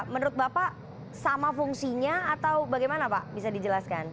menurut bapak sama fungsinya atau bagaimana pak bisa dijelaskan